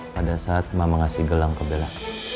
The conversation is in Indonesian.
pada saat mama ngasih gelang ke belang